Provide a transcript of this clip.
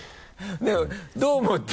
でもどう思った？